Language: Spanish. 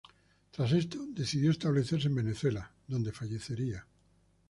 Tras esto, decidió establecerse en Venezuela donde fallecería.